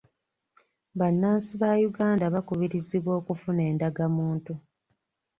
Bannansi ba Uganda bakubirizibwa okufuna endagamuntu.